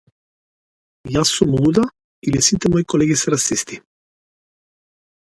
Јас сум луда или сите мои колеги се расисти?